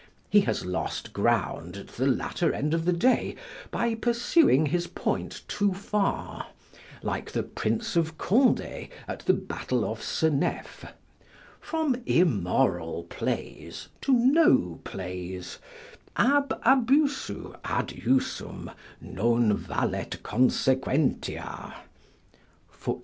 He has lost ground at the latter end of the day, by pursuing his point too far, like the Prince of Condé at the battle of Seneffe: from immoral plays to no plays, ab abusu ad usum, non valet consequentia.